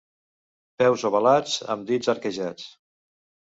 Peus ovalats, amb dits arquejats.